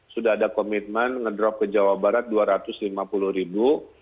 sudah ada komitmen ngedrop ke jawa barat dua ratus lima puluh ribu